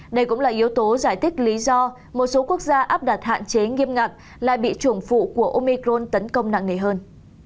đây cũng là yếu tố giải thích lý do một số quốc gia áp đặt hạn chế nghiêm ngặt lại bị chủng phụ của omicron tấn công nặng nề hơn